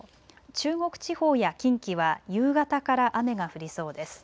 中国地方や近畿は夕方から雨が降りそうです。